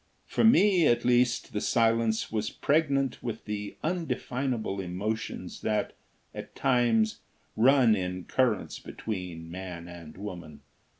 For me, at least, the silence was pregnant with the undefinable emotions that, at times, run in currents between man and woman.